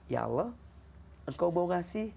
ya allah engkau mau ngasih